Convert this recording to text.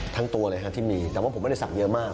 ทั้งตัวเลยฮะที่มีแต่ว่าผมไม่ได้ศักดิ์เยอะมาก